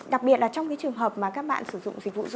đặc biệt trong trường hợp các bạn sử dụng dịch vụ dịch vụ